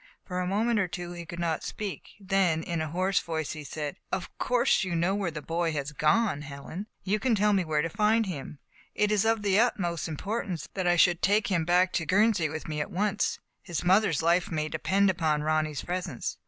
For a moment or two he could not speak; then, in a hoarse voice, he said :Of course you know where the boy has gone, Helen? You can tell me where to find him? It is of the utmost importance that I should Digitized by Google i6o THE FATE OF FENELLA, take him back to Guernsey with me at once. His mother's life may depend upon Ronny's presence."